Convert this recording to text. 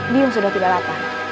biong sudah tidak lapar